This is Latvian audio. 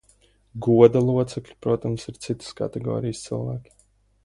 Goda locekļi, protams, ir citas kategorijas cilvēki.